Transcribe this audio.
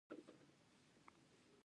آیا مقالې خپریږي؟